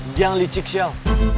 dia yang licik syaw